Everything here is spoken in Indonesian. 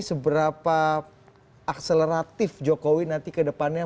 seberapa akseleratif jokowi nanti ke depannya